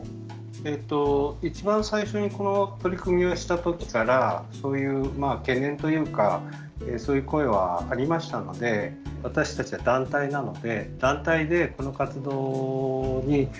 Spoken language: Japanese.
えっと一番最初にこの取り組みをした時からそういう懸念というかそういう声はありましたので私たちは団体なので団体でこの活動に対して保険に入ってます。